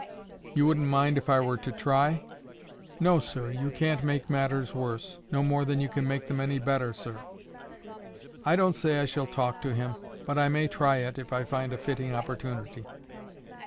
"You wouldn't mind if I were to try?" "No, sir. You can't make matters worse. No more can you make them any better, sir." "I don't say I shall talk to him; but I may try it, if I find a fitting opportunity."